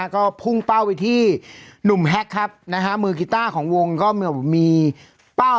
ก็พุ่งเป้าไปที่หนุ่มแฮกครับนะฮะมือกีต้าของวงก็เหมือนมีเป้า